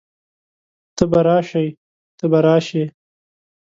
ته به راشئ، ته به راشې